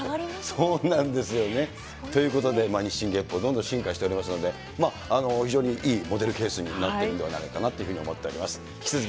そうなんですよね。ということで日進月歩、どんどん進化しておりますので、非常にいいモデルケースになってるんではないかなと思っております。